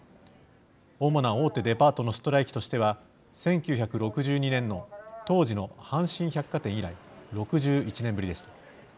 主な大手デパートのストライキとしては１９６２年の当時の阪神百貨店以来６１年ぶりでした。